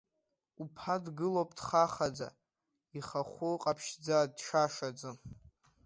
Уԥа дгылоуп дхахаӡа, ихахәы ҟаԥшьӡа, дшашаӡа.